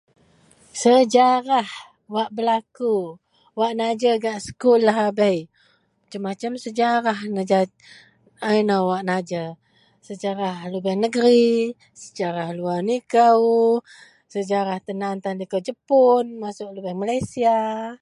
sejarah wak berlaku wak najer gak sekul lahabei, macam-macam sejarah naja a ino wak najer, sejarah lubeang negeri, sejarah luar likou, sejarah tan aan likou jepun masuk lubeng Malaysia